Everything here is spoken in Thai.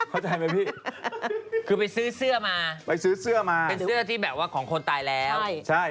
เภลู้เพราะเอทเรา